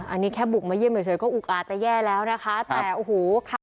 อันนี้แค่บุกมาเยี่ยมเฉยก็อุกอาจจะแย่แล้วนะคะแต่โอ้โหค่ะ